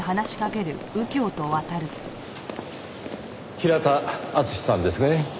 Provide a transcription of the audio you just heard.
平田敦さんですね。